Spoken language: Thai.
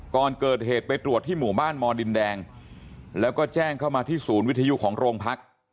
ก่อนเกิดเหตุไปตรวจที่หมู่บ้านมดินแดงแล้วก็แจ้งเข้ามาที่ศูนย์วิทยุของโรงพัก